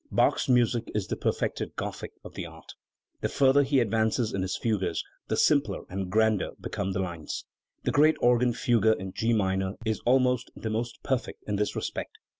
Bach's music is the perfected Gothic of the art. The further he advances in his fugues, the simpler and grander become the lines. The great organ fugue in G minor is among the most perfect in this respect